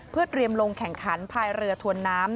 เพื่อเตรียมลงแข่งขันภายเรือถวนน้ำ